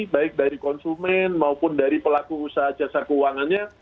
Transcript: baik dari konsumen maupun dari pelaku usaha jasa keuangannya